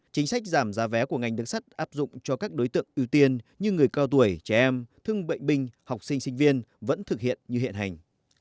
chính sách giảm giá vé của ngành đường sắt áp dụng cho các đối tượng ưu tiên như người cao tuổi trẻ em thương bệnh binh học sinh sinh viên vẫn thực hiện như hiện hành